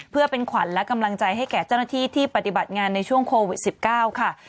เพื่อเป็นขวัญและกำลังใจให้แก่เจ้าหน้าที่ที่ปฏิบัติงานในช่วงโควิด๑๙ค่ะ